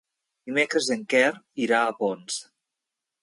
Dimecres en Quer irà a Ponts.